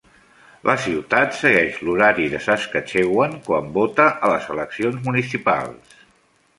La ciutat segueix l'horari de Saskatchewan quan vota a les eleccions municipals.